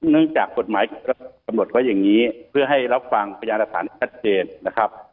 เนื่องจากกฎหมายกำหนดไว้อย่างนี้เพื่อให้รับฟังประยาศาสตร์ทัดเจนนะครับ